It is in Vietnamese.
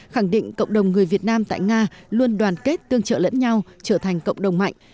khẳng định cộng đồng người việt nam tại nga luôn đoàn kết tương trợ lẫn nhau trở thành cộng đồng mạnh